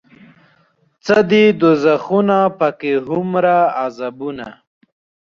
څه دي دوزخونه پکې هومره عذابونه